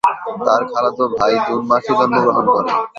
তার খালাতো ভাই জুন মাসে জন্মগ্রহণ করে।